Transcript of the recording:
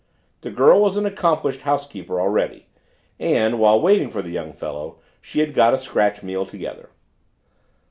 The girl was an accomplished housekeeper already, and while waiting for the young fellow she had got a scratch meal together.